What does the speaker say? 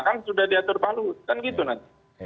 kan sudah diatur pak luhut kan gitu nanti